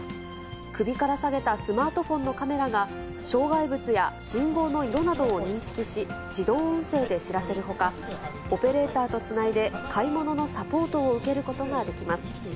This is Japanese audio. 首からさげたスマートフォンのカメラが、障害物や信号の色などを認識し、自動音声で知らせるほか、オペレーターとつないで買い物のサポートを受けることができます。